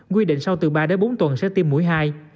quy định sau từ ba đến bốn tuần sẽ tiêm mũi hai